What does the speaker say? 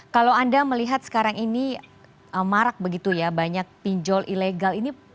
kalau anda melihat sekarang ini marak begitu ya banyak pinjol ilegal ini